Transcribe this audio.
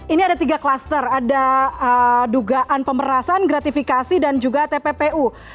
ini ada tiga klaster ada dugaan pemerasan gratifikasi dan juga tppu